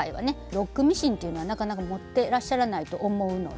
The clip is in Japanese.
ロックミシンっていうのはなかなか持ってらっしゃらないと思うので。